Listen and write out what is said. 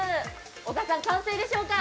お母さん、完成でしょうか？